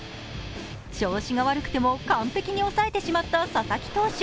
調子が悪くても完璧に抑えてしまった佐々木投手。